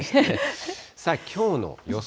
さあ、きょうの予想